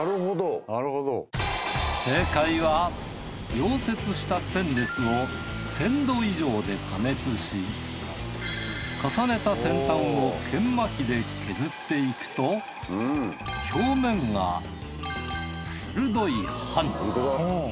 溶接したステンレスを１，０００℃以上で加熱し重ねた先端を研磨機で削っていくと表面が鋭い刃に！